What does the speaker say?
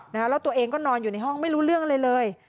แล้วตัวเองก็นอนอยู่ในห้องไม่รู้เรื่องอะไรเลย